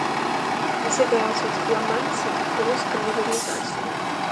ასე გააცოცხლა მან საქართველოს გმირული წარსული.